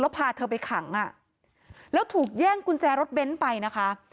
พาเธอไปขังอ่ะแล้วถูกแย่งกุญแจรถเบ้นไปนะคะ